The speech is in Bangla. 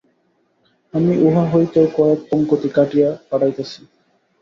আমি উহা হইতেও কয়েক পঙক্তি কাটিয়া পাঠাইতেছি।